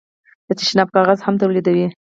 د تشناب کاغذ هم تولیدوي.